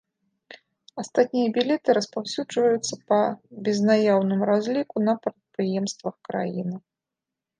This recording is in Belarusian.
Астатнія білеты распаўсюджваюцца па безнаяўным разліку на прадпрыемствах краіны.